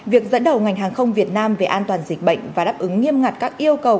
việc dẫn đầu ngành hàng không việt nam về an toàn dịch bệnh và đáp ứng nghiêm ngặt các yêu cầu